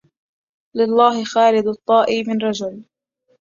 لله خالد الطائي من رجل